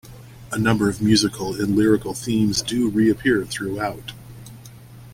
A number of musical and lyrical themes do re-appear throughout.